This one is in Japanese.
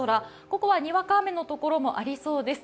午後はにわか雨のところもありそうです。